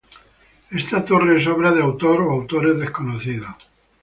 Esta torre es obra de autor o autores desconocidos.